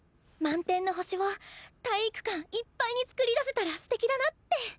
満天の星を体育館いっぱいに作り出せたらすてきだなって。